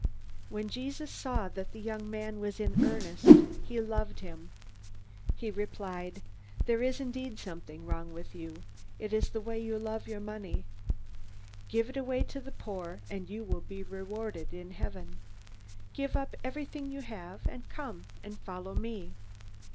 When Jesus saw that the young man was in earnest, he loved him. He replied: "There is indeed something wrong with you. It is the way you love your money. Give it away to the poor, and you will be rewarded in heaven. Give up everything you have, and come and follow me."